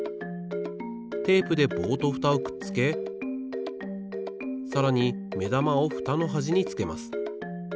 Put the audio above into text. テープで棒とフタをくっつけさらにめだまをフタのはじにつけます。